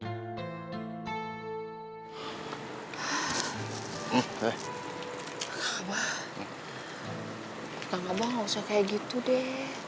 gak usah kayak gitu deh